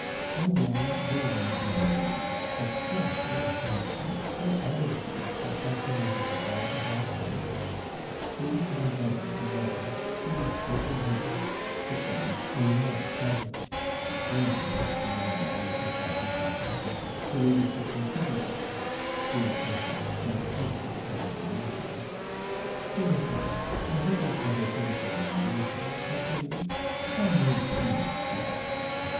One young, very young lady expressed her astonishment so audibly as to attract the notice of all the bystanders. Lady Clonbrony, delighted, seized both her hands, shook them, and laughed heartily; then, as the young lady with her party passed on, her ladyship recovered herself, drew up her head, and said to the company near her 'Poor thing! I hope I covered her little NAIVETE properly? How NEW she must be!'